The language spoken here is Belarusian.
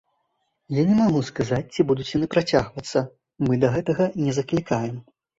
Я не магу сказаць, ці будуць яны працягвацца, мы да гэтага не заклікаем.